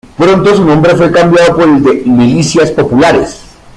Pronto su nombre fue cambiado por el de Milicias Populares.